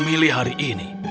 mereka memilih hari ini